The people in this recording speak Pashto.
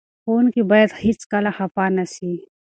ښوونکي باید هېڅکله خفه نه سي.